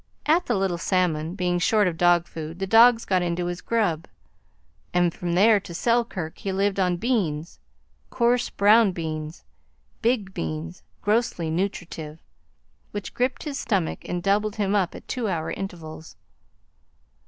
At the Little Salmon, being short of dog food, the dogs got into his grub, and from there to Selkirk he lived on beans coarse, brown beans, big beans, grossly nutritive, which griped his stomach and doubled him up at two hour intervals.